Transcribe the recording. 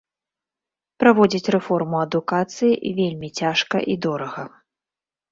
Праводзіць рэформу адукацыі вельмі цяжка і дорага.